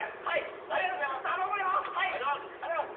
ありがとうございます頼むよ！